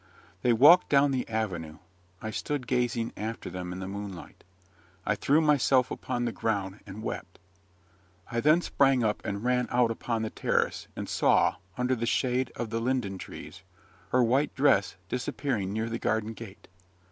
They walked down the avenue. I stood gazing after them in the moonlight. I threw myself upon the ground, and wept: I then sprang up, and ran out upon the terrace, and saw, under the shade of the linden trees, her white dress disappearing near the garden gate.